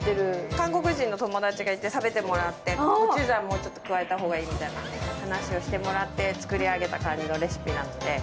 韓国人の友達がいて、食べてもらって、コチュジャンもうちょっと加えたほうがいいんじゃないって話をしてもらって、作り上げた感じのレシピなので。